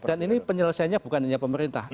dan ini penyelesaiannya bukan hanya pemerintah